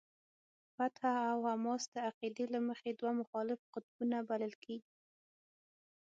فتح او حماس د عقیدې له مخې دوه مخالف قطبونه بلل کېږي.